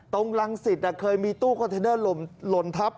ตรงรังสิตเคยมีตู้คอนเทนเนอร์หล่นทับ